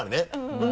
「うん？」